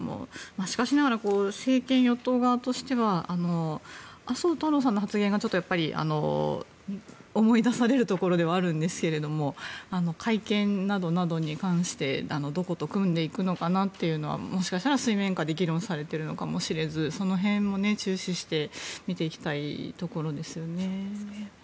しかしながら政権与党側としては麻生太郎さんの発言が思い出されるところではあるんですが改憲などに関してどこと組んでいくのかなというのはもしかしたら水面下で議論されているのかもしれずその辺も注視して見ていきたいところですよね。